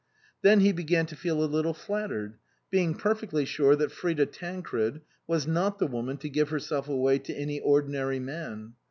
Then he began to feel a little flattered, being perfectly sure that Frida Tancred was not the woman to give her self away to any ordinary man.